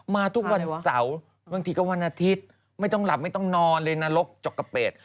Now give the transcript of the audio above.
มาทุกวันเสาร์บางทีก็วันอาทิตย์ไม่ต้องหลับไม่ต้องนอนเลยนรกจกกระเป็ด